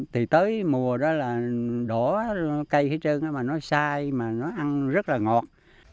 thì tới mùa đó là đỏ cây hết trơn mà nó sai mà nó ăn rất là ngọt